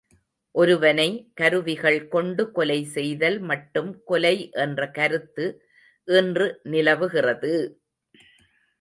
ஒருவனை, கருவிகள் கொண்டு கொலை செய்தல் மட்டும் கொலை என்ற கருத்து இன்று நிலவுகிறது!